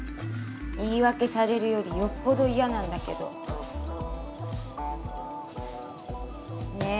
言い訳されるよりよっぽど嫌なんだけどねえ